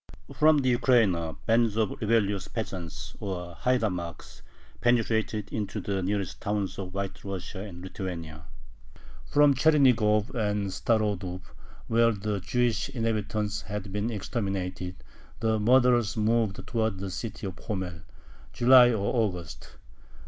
From the Ukraina bands of rebellious peasants, or haidamacks, penetrated into the nearest towns of White Russia and Lithuania. From Chernigov and Starodub, where the Jewish inhabitants had been exterminated, the murderers moved towards the city of Homel (July or August).